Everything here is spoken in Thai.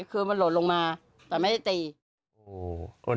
คือมันหล่นลงมาแต่ไม่ได้ตี